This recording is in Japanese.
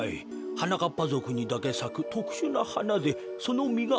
はなかっぱぞくにだけさくとくしゅなはなでそのみがおちるたびに。